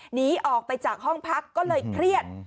หนีออกไปจากห้องพักก็เลยเครียด